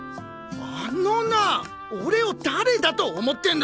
あのなぁ俺を誰だと思ってんだ！？